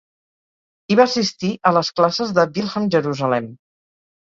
Hi va assistir a les classes de Wilhelm Jerusalem.